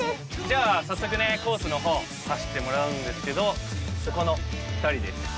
じゃあさっそくねコースの方走ってもらうんですけどこの２人です。